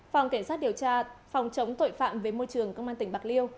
phòng kiểm soát điều tra phòng chống tội phạm về môi trường công an tp bạc liêu